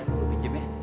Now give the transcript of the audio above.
buku pinjem ya